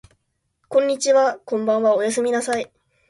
こんにちはこんばんはおやすみなさい